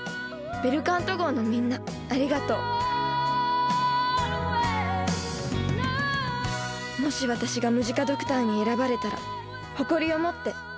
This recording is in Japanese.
ベルカント号のみんなありがとうもし私がムジカドクターに選ばれたら誇りを持って歌を歌いたいと思います。